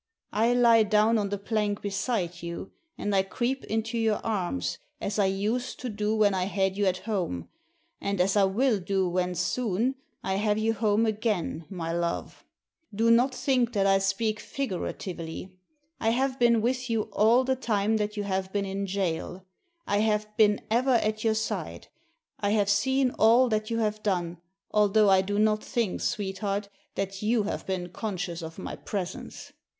I lie down on the plank beside you, and I creep into your arms as I used to do when I had you at home, and as I will do when, soon, I have you home again, my love. Do not Digitized by VjOOQIC THE PHOTOGRAPHS 35 think that I speak figuratively. . I have been with you all the time that you have been in jail; I have been ever at your side, I have seen all that you have done, although I do not think, sweetheart, that you have been conscious of my presence.